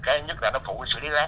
cái nhất là nó phụ chữa lý rác